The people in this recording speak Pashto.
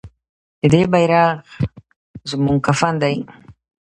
د دې بیرغ زموږ کفن دی؟